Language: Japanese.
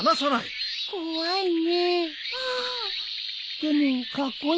でもカッコイイじょ。